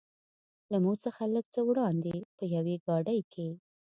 له موږ څخه لږ څه وړاندې په یوې ګاډۍ کې.